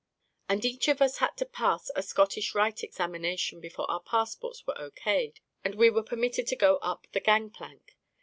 — and each of us had to pass a Scottish Rite examination before our passports were O. K'd. and we were permitted to go up the gangplank.